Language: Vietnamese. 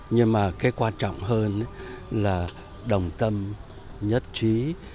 nhưng mà cái quan trọng hơn là đồng tâm nhất trí